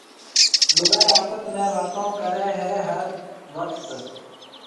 لُگائيَ آپت ۾ واتون ڪريَ هيَ هر ٽيم۔